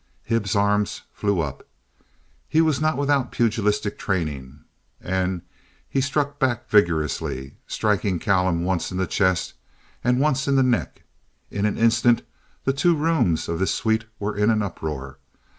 Hibbs's arms flew up. He was not without pugilistic training, and he struck back vigorously, striking Callum once in the chest and once in the neck. In an instant the two rooms of this suite were in an uproar.